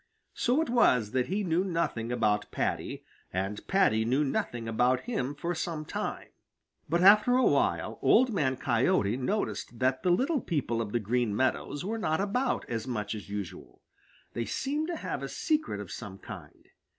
So it was that he knew nothing about Paddy, and Paddy knew nothing about him for some time. But after a while Old Man Coyote noticed that the little people of the Green Meadows were not about as much as usual. They seemed to have a secret of some kind.